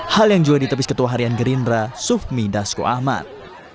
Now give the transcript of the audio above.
hal yang juga ditepis ketua harian gerindra sufmi dasko ahmad